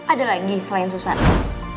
ada lagi selain susana